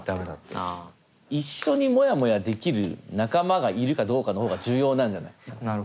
一緒にモヤモヤできる仲間がいるかどうかの方が重要なんじゃない？